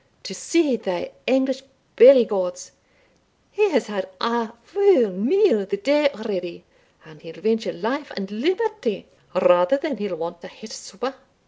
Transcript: To see thae English belly gods! he has had ae fu' meal the day already, and he'll venture life and liberty, rather than he'll want a het supper!